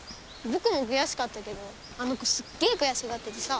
僕も悔しかったけどあの子すっげえ悔しがっててさ。